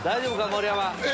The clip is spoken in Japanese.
盛山。